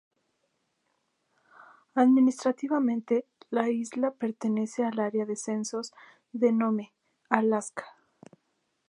Administrativamente, la isla pertenece al Área de Censos de Nome, Alaska.